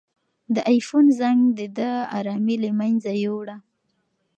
د آیفون زنګ د ده ارامي له منځه یووړه.